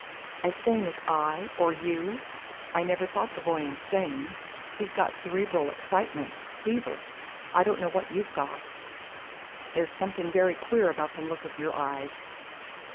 "As sane as I or you. I never thought the boy insane. He's got cerebral excitement, fever. I don't know what you've got. There's something very queer about the look of your eyes."